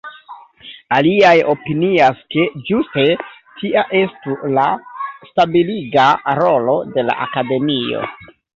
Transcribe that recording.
Aliaj opinias, ke ĝuste tia estu la stabiliga rolo de la Akademio.